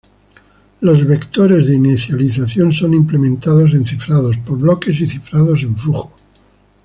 Los vectores de inicialización son implementados en cifrados por bloques y cifrados en flujo.